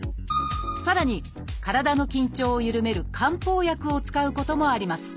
さらに体の緊張を緩める漢方薬を使うこともあります